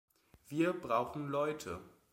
Wir brauchen Leute!